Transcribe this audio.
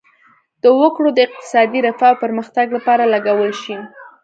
د وګړو د اقتصادي رفاه او پرمختګ لپاره لګول شي.